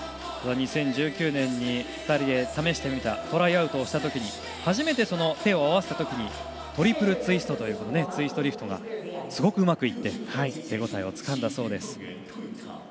２０１９年に２人で試してみたトライアウトをしたときに初めて、手を合わせたときトリプルツイストというツイストリフトがすごくうまくいって手応えをつかんだそうです。